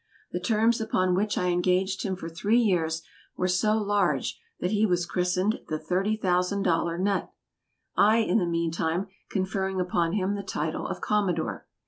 The terms upon which I engaged him for three years were so large that he was christened the $30,000 Nutt; I, in the mean time, conferring upon him the title of Commodore.